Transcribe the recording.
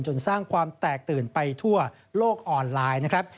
สร้างความแตกตื่นไปทั่วโลกออนไลน์นะครับ